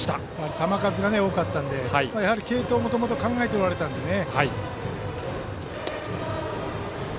球数が多かったのでやはり継投をもともと考えておられたのでね。